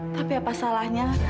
tapi apa salahnya